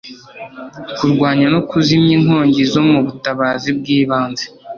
kurwanya no kuzimya inkongi no mu butabazi bw'ibanze